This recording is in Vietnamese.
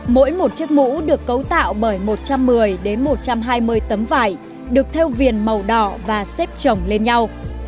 mỗi một chiếc mũ được cấu tạo bởi một trăm một mươi đến một trăm hai mươi tấm vải được theo viền màu đỏ và xếp trồng lên nhau